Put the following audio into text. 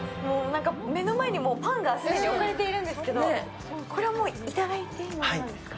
目の前に既にパンが置いてあるんですけど、これはもういただいていいものなんですか？